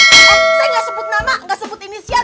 saya enggak sebut nama enggak sebut inisial